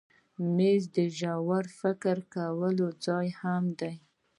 مېز د ژور فکر کولو ځای هم دی.